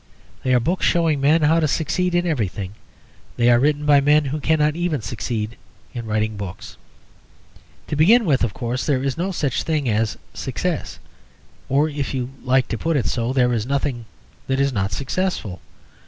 They are books showing men how to succeed in everything; they are written by men who cannot even succeed in writing books. To begin with, of course, there is no such thing as Success. Or, if you like to put it so, there is nothing that is not successful.